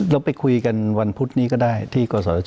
เราไปคุยกันวันพุธนี้ก็ได้ที่กศช